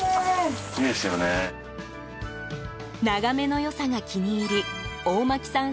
眺めの良さが気に入り大巻さん